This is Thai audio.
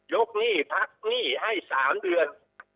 หนี้พักหนี้ให้๓เดือน